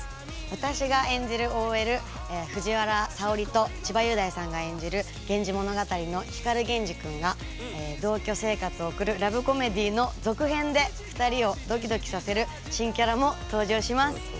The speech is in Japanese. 私が演じるＯＬ藤原沙織と千葉雄大さんが演じる「源氏物語」の光源氏くんが同居生活を送るラブコメディーの続編で２人をドキドキさせる新キャラも登場します。